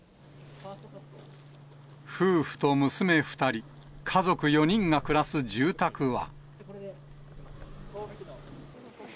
夫婦と娘２人、家族４人が暮らす住宅は。